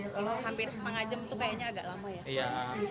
kalau hampir setengah jam itu kayaknya agak lama ya